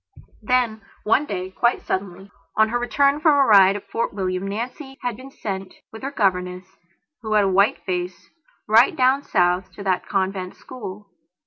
Then one day, quite suddenly, on her return from a ride at Fort William, Nancy had been sent, with her governess, who had a white face, right down South to that convent school.